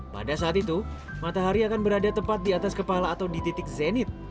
pada saat itu matahari akan berada tepat di atas kepala atau di titik zenit